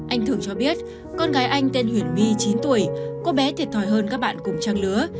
anh thưởng cho biết con gái anh tên huyền my chín tuổi cô bé thiệt thòi hơn các bạn cùng trang lứa